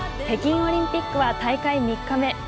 北京オリンピックは大会３日目。